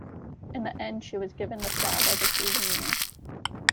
In the end she was given the flag as a souvenir.